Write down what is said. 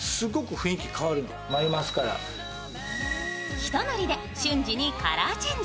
ひと塗りで瞬時にカラーチェンジ。